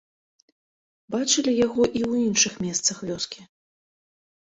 Бачылі яго і ў іншых месцах вёскі.